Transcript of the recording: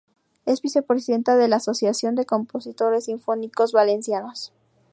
Es Vicepresidenta de la Asociación de Compositores Sinfónicos Valencianos.